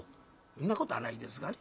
んなことはないですがね。